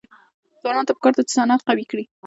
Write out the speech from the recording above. ځوانانو ته پکار ده چې، صنعت قوي کړي.